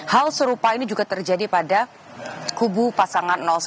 hal serupa ini juga terjadi pada kubu pasangan satu